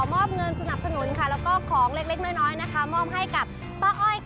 มอบเงินสนับสนุนของเล็กน้อยมอบให้กับป้าอ้อย